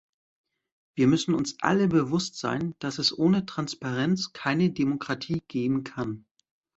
Wir müssen uns alle bewusst sein, dass es ohne Transparenz keine Demokratie geben kann.